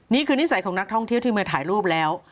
นิสัยของนักท่องเที่ยวที่มาถ่ายรูปแล้ว